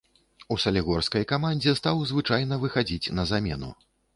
У салігорскай камандзе стаў звычайна выхадзіць на замену.